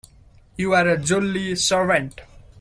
You are a jolly servant!